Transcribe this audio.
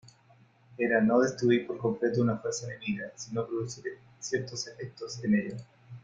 Era no destruir por completo una fuerza enemiga, sino producir ciertos efectos en ella.